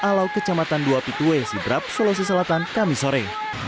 alau kecamatan dua p dua e sidrap sulawesi selatan kami sore